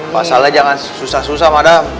pasalnya jangan susah susah mana